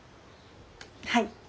はい。